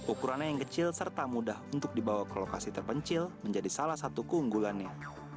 ukurannya yang kecil serta mudah untuk dibawa ke lokasi terpencil menjadi salah satu keunggulannya